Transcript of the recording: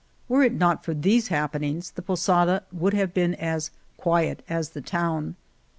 Were it not for these happenings the posada would have been as quiet as the town.